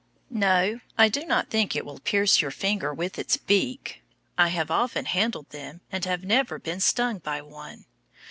No, I do not think it will pierce your finger with its beak. I have often handled them, and have never been stung by one.